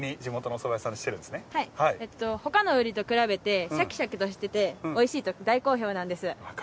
ほかのうりと比べてシャキシャキとしていておいしいと大好評なんです。